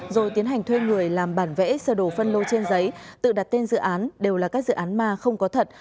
rồi tiến hành thuê người làm bản vẽ sơ đồ phân lô trên giấy tự đặt tên dự án đều là các dự án ma không có thật